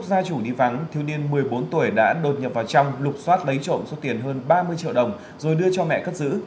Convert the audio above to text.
do chủ đi vắng thiếu niên một mươi bốn tuổi đã đột nhập vào trong lục xoát lấy trộm số tiền hơn ba mươi triệu đồng rồi đưa cho mẹ cất giữ